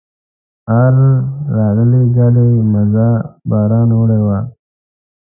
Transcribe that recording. آر راغلي ګاډي مزه باران وړې وه.